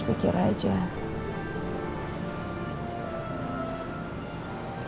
aku meminta perhatianmu